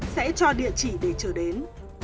sẽ cho địa chỉ để trở đến